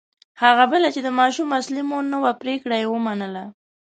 هغه بله چې د ماشوم اصلي مور نه وه پرېکړه یې ومنله.